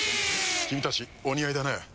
君たちお似合いだね。